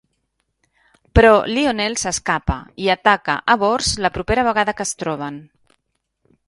Però Lionel s'escapa, i ataca a Bors la propera vegada que es troben.